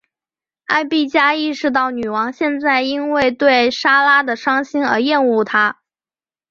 艾碧嘉意识到女王现在因为对莎拉的伤心而厌恶她。